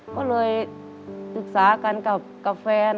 ก็เลยศึกษากันกับแฟน